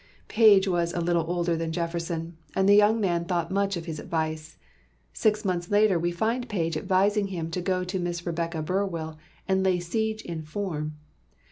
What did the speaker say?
Page was a little older than Jefferson, and the young man thought much of his advice. Six months later we find Page advising him to go to Miss Rebecca Burwell and "lay siege in form."